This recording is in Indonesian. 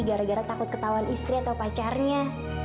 gara gara takut ketahuan istri atau pacarnya